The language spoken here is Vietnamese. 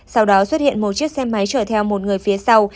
sau đó xuất hiện một chiếc xe máy chở theo một người phía sau